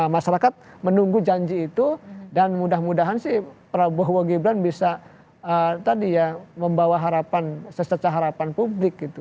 masyarakat menunggu janji itu dan mudah mudahan sih prabowo gibran bisa tadi ya membawa harapan secerca harapan publik gitu